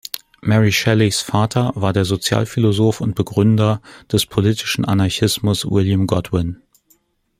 Mary Shelleys Vater war der Sozialphilosoph und Begründer des politischen Anarchismus William Godwin.